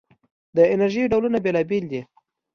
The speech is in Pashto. د انرژۍ ډولونه بېلابېل دي.